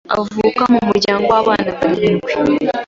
avuka mu muryango w’abana barindwi